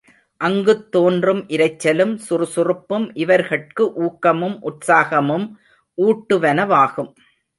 அங்குத் தோன்றும் இரைச்சலும், சுறுசுறுப்பும் இவர்கட்கு ஊக்கமும் உற்சாகமும் ஊட்டுவனவாகும்.